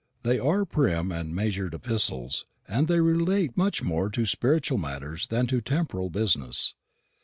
They are prim and measured epistles, and they relate much more to spiritual matters than to temporal business.